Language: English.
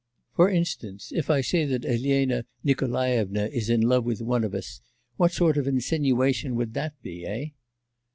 For instance, if I say that Elena Nikolaevna is in love with one of us, what sort of insinuation would that be, eh?